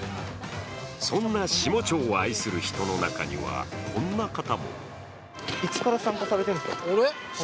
そんな下町を愛する人の中には、こんな方も。